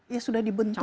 ya sudah dibentuk